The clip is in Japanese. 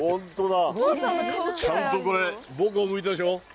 ちゃんとこれ、僕を向いてますよ。